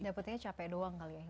dapetnya capek doang kali ya